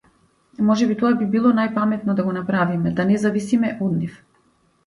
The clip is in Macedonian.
Можеби тоа би било најпаметно да го направиме, да не зависиме од нив.